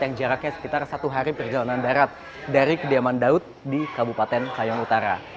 yang jaraknya sekitar satu hari perjalanan darat dari kediaman daud di kabupaten kayong utara